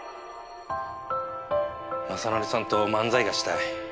雅紀さんと漫才がしたい。